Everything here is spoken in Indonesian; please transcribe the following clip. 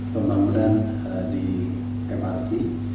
pembangunan di mrt